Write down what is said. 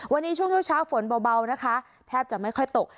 วันนี้ช่วงเช้าฝนเบานะคะแทบจะไม่ค่อยตก